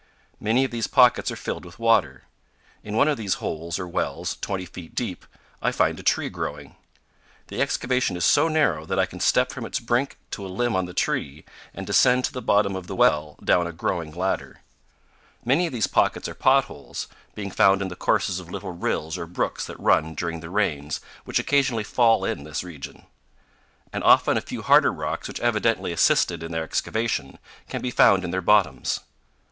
Many of these pockets are filled with water. In one of these holes or wells, 20 feet deep, I find a tree growing. The excavation is so narrow that I can step from its brink to a limb on the tree and descend to the bottom of the well down a growing ladder. Many of these pockets powell canyons 149.jpg RUINS ON THE BRINK OF GLEN CANYON. FROM THE GRAND TO THE LITTLE COLORADO. 229 are potholes, being found in the courses of little rills or brooks that run during the rains which occasionally fall in this region; and often a few harder rocks, which evidently assisted in their excavation, can be found in their bottoms.